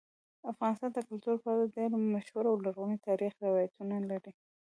افغانستان د کلتور په اړه ډېر مشهور او لرغوني تاریخی روایتونه لري.